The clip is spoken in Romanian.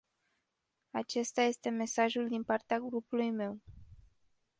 Acesta este mesajul din partea grupului meu.